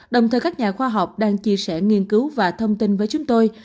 đồng thời các nhà khoa học đang chia sẻ nghiên cứu và thông tin với chúng tôi